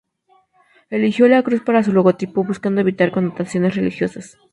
Eligió la cruz para su logotipo, buscando evitar connotaciones religiosas.